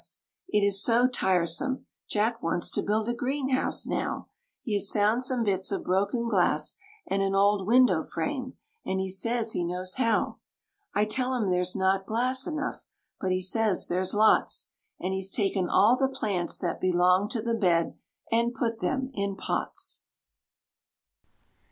It is so tiresome! Jack wants to build a green house now, He has found some bits of broken glass, and an old window frame, and he says he knows how. I tell him there's not glass enough, but he says there's lots, And he's taken all the plants that belong to the bed and put them in pots.